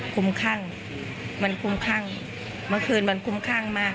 คุ้มครั่งมันคุ้มครั่งเมื่อคืนมันคุ้มข้างมาก